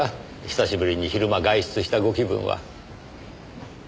久しぶりに昼間外出したご気分は。